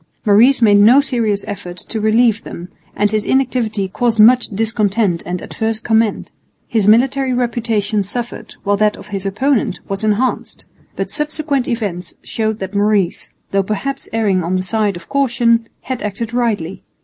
Maurice made no serious effort to relieve them, and his inactivity caused much discontent and adverse comment. His military reputation suffered, while that of his opponent was enhanced. But subsequent events showed that Maurice, though perhaps erring on the side of caution, had acted rightly.